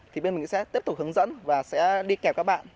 thì bên mình sẽ tiếp tục hướng dẫn và sẽ đi kèm các bạn